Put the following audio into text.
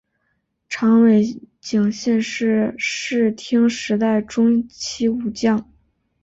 长尾景信是室町时代中期武将。